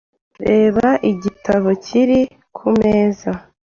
Reba igitabo kiri kumeza .